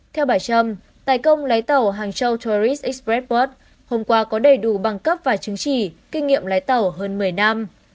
theo bài châm tài công lái tàu hàng châu tourist express board hôm qua có đầy đủ bằng cấp và chứng chỉ kinh nghiệm lái tàu hơn một mươi năm